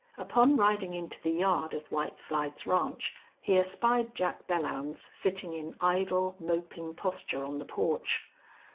Upon riding into the yard of White Slides Ranch he espied Jack Belllounds sitting in idle, moping posture on the porch.